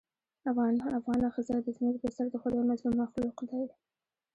افغانه ښځه د ځمکې په سر دخدای مظلوم مخلوق دې